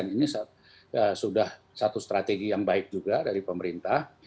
ini sudah satu strategi yang baik juga dari pemerintah